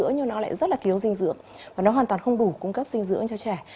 nó thiếu dinh dưỡng và nó hoàn toàn không đủ cung cấp dinh dưỡng cho trẻ